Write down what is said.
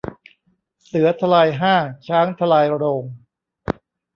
เสือทลายห้าง ช้างทลายโรง